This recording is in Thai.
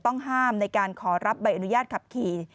ต้องห้ามในการขอรับใบอนุญาตขับขี่